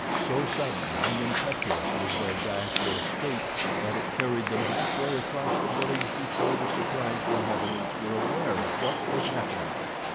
So sudden and impetuous was their dash for escape that it carried them half way across the village before the surprised inhabitants were aware of what was happening.